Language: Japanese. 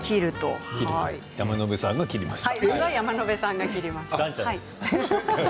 なすは山野辺さんが切りました。